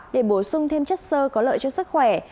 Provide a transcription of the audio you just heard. để bổ sung thêm chất sơ có lợi cho sức khỏe